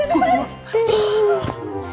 guntur sini pak